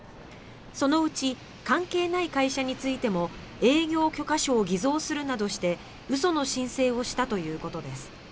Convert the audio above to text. そのうち関係ない会社についても営業許可書を偽造するなどして嘘の申請をしたということです。